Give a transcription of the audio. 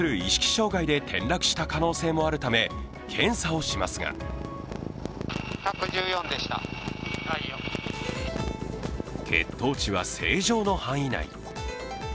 障害で転落した可能性もあるため、検査をしますが血糖値は正常の範囲内。